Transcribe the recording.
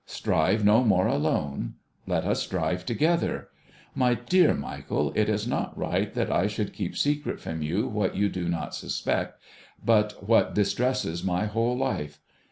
Strive no more alone; let us strive together. My dear Michael, it is not right that I should keep secret from you what you do not suspect, but what distresses my whole life.